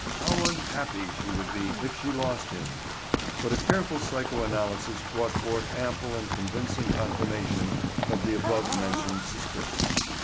How unhappy she would be if she lost him! But a careful psychoanalysis brought forth ample and convincing confirmation of the above mentioned suspicion.